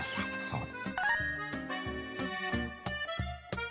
そう。